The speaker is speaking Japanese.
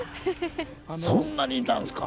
そんなにいたんですか。